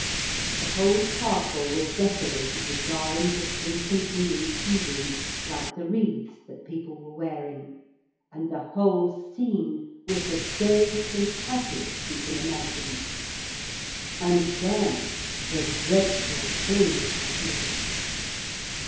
The whole castle was decorated with garlands of pink and green seaweed like the wreaths that people were wearing, and the whole scene was the gayest and happiest you can imagine. And then the dreadful thing happened.